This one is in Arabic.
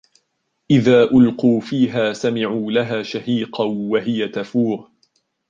إِذَا أُلْقُوا فِيهَا سَمِعُوا لَهَا شَهِيقًا وَهِيَ تَفُورُ